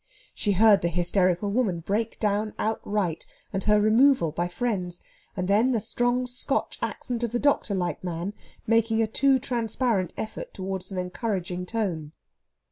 She heard the hysterical woman break down outright, and her removal by friends, and then the strong Scotch accent of the doctor like man making a too transparent effort towards an encouraging tone.